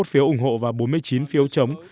năm mươi một phiếu ủng hộ và bốn mươi chín phiếu chống